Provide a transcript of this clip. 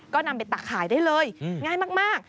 ก็นำไปตักขายได้เลยง่ายมาก